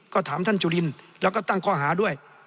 ก็ถามท่านจุลินแล้วก็ตั้งข้อหาด้วย